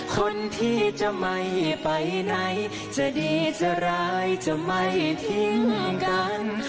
คนที่จะไม่ไปไหนจะดีจะร้ายจะไม่ทิ้งกัน